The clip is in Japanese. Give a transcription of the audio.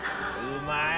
うまい！